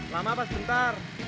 lama apa sebentar